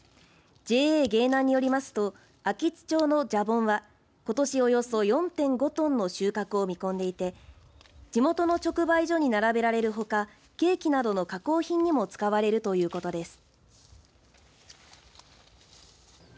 ＪＡ芸南によりますと安芸津町のじゃぼんは、ことしおよそ４．５トンの収穫を見込んでいて地元の直売所に並べられるほかケーキなどの加工品にも使われるということです。